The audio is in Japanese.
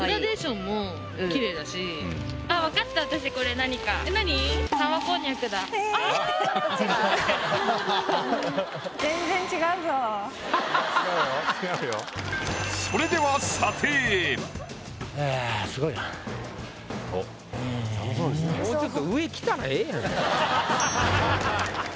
もうちょっと上着たらええやん。